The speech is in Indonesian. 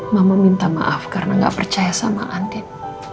mama minta maaf karena gak percaya sama andin